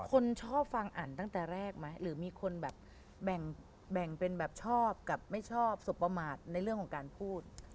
คนชอบฟังอันตั้งแต่แรกไหมหรือมีคนแบบแบ่งเป็นแบบชอบกับไม่ชอบสบประมาทในเรื่องของการพูด